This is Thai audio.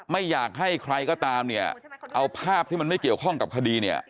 ไม่อยากให้ใครก็ตามเนี่ยเอาภาพที่มันไม่เกี่ยวข้องกับคดีเนี่ย